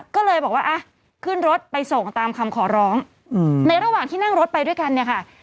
ก็เลยบอกว่าอ่ะขึ้นรถไปส่งตามคำขอร้องในระหว่างที่นั่งรถไปด้วยกันเนี่ยค่ะ